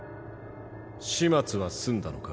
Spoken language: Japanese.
始末は済んだのか？